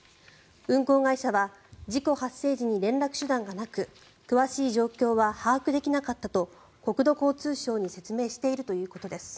運航会社は事故発生時に連絡手段がなく詳しい状況は把握できなかったと国土交通省に説明しているということです。